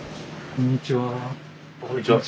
こんにちは。